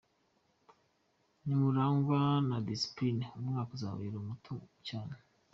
Nimurangwa na Disipuline umwaka uzababera muto cyane.”